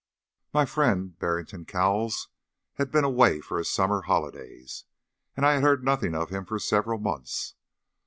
My friend, Barrington Cowles, had been away for his summer holidays, and I had heard nothing of him for several months.